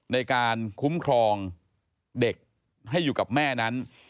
ในการคุ้มครองเด็กให้อยู่กับแม่นั้น